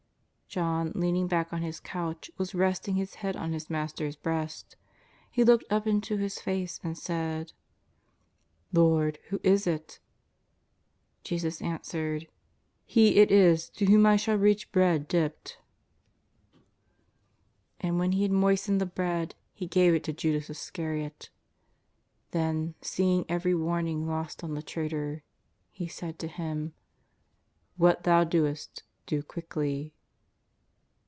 " John, leaning back on his couch, was resting his head on his Master's breast. He looked up into His face and said: " Lord, who is it ?" Jesus answered :" He it is to whom I shall reach bread dipped." 18 332 JESUS OF NAZARETH. And when He had moistened the bread, He gave it to Judas Iscariot. Then, seeing every warning lost on the traitor, He said to him: " What thou doest do quickly."